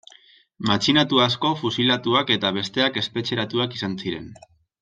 Matxinatu asko fusilatuak eta besteak espetxeratuak izan ziren.